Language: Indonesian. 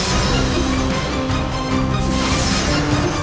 mereka sudah berusaha untuk mencari yunda subanglarak